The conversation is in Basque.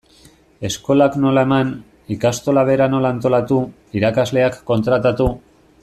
Eskolak nola eman, ikastola bera nola antolatu, irakasleak kontratatu...